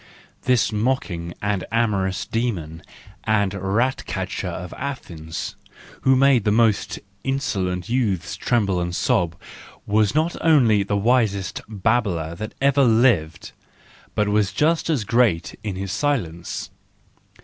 This mocking and amorous demon and rat catcher of Athens, who made the most insolent youths tremble and sob was not only the 270 THE JOYFUL WISDOM, IV wisest babbler that has ever lived, but was just as great in his silence.